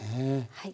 はい。